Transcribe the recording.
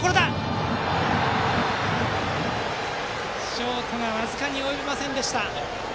ショート僅かに及びませんでした。